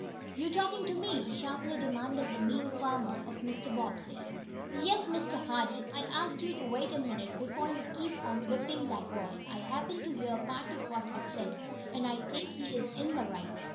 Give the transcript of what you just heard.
"You talkin' to me?" sharply demanded the mean farmer of Mr. Bobbsey. "Yes, Mr. Hardee. I asked you to wait a minute before you keep on whipping that boy. I happened to hear part of what he said, and I think he is in the right."